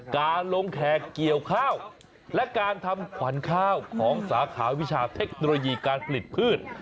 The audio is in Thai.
การลงแขกเกี่ยวข้าวและการทำขวัญข้าวของสาขาวิชาเทคโนโลยีการผลิตพืช